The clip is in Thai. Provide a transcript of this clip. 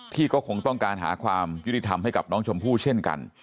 ที่ก็คงต้องการหาความยุติธรรมให้กับน้องชมพู่เช่นกัน